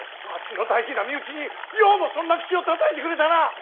わしの大事な身内にようもそんな口をたたいてくれたな！